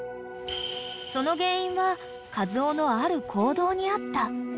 ［その原因はカズオのある行動にあった］